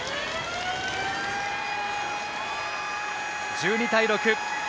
１２対６。